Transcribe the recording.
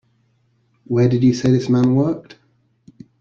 Where did you say this man worked?